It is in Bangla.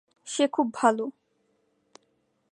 সে খুব ভাল